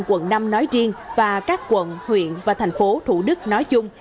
cứu hộ công an quận năm nói riêng và các quận huyện và thành phố thủ đức nói chung